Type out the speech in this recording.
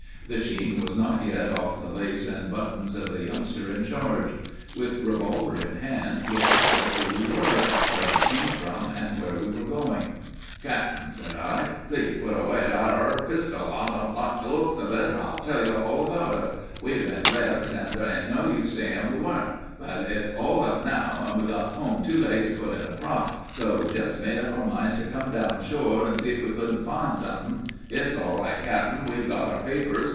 The sheen was not yet off the lace and buttons of the youngster in charge. With revolver in hand he asked us who we were, where we came from, and where we were going. "Cap'n," said I, "please put away that ar pistol, I don't like the looks of it, and I'll tell you all about us. We've been rebs and there ain't no use saying we weren't; but it's all up now, and we got home too late to put in a crop, so we just made up our minds to come down shore and see if we couldn't find something. It's all right, Cap'n; we've got our papers.